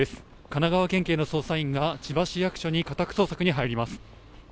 神奈川県警の捜査員が千葉市役所に家宅捜索に入ります。